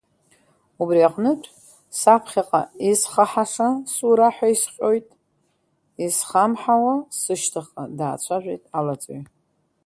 Убри аҟнытә, саԥхьаҟа исхаҳаша сура ҳәа исҟьоит, исхамҳауа сышьҭахьҟа, даацәажәеит алаҵаҩ.